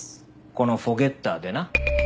このフォゲッターでな。